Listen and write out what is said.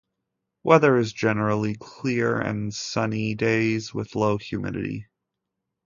Weather is generally clear and sunny days, with low humidity.